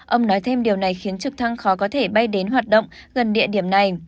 ông nói thêm điều này khiến trực thăng khó có thể bay đến hoạt động gần địa điểm này